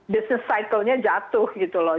bisnis cycle nya jatuh gitu loh